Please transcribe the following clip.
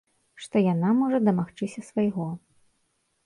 Што яна можа дамагчыся свайго.